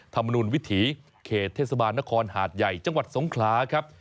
ธรรมนุนวิถีเขตเทศบาลนครหาดใหญ่จังหวัดสงขลาครับ